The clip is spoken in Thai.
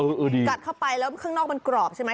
กัดเข้าไปแล้วข้างนอกมันกรอบใช่ไหม